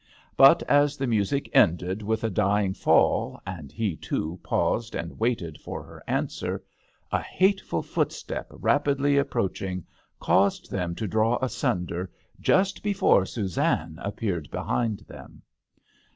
But as the music ended with a dying fall, and he, too, paused and waited for her answer, a hateful footstep rapidly ap proaching caused them to draw asunder just before Suzanne ap peared behind them.